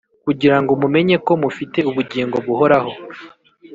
kugira ngo mumenye ko mufite ubugingo buhoraho